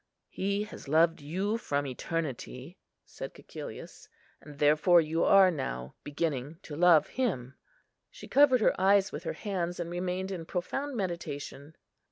"He has loved you from eternity," said Cæcilius, "and, therefore, you are now beginning to love Him." She covered her eyes with her hands, and remained in profound meditation.